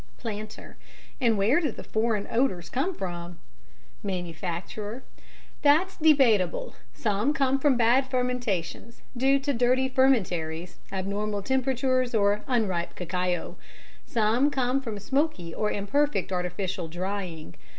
PLANTER: And where do the foreign odours come from? MANUFACTURER: That's debatable. Some come from bad fermentations, due to dirty fermentaries, abnormal temperatures, or unripe cacao. Some come from smoky or imperfect artificial drying.